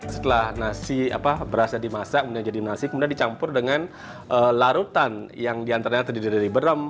setelah nasi berasa dimasak kemudian dicampur dengan larutan yang diantaranya terdiri dari berem